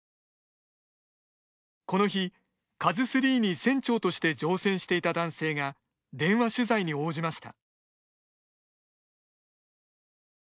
この日、ＫＡＺＵ３に船長として乗船していた男性が電話取材に応じました。